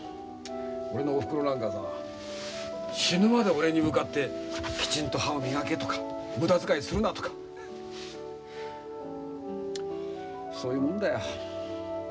俺のおふくろなんかさ死ぬまで俺に向かって「きちんと歯を磨け」とか「無駄遣いするな」とか。そういうもんだよ。